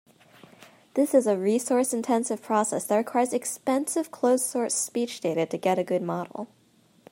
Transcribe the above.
This is a resource-intensive process that requires expensive closed-source speech data to get a good model.